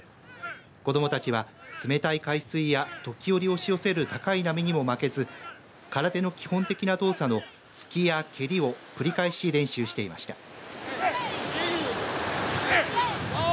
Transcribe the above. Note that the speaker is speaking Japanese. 子どもたちは冷たい海水やときおり押し寄せる高い波にも負けず空手の基本的な動作の突きや蹴りを繰り返し練習していました。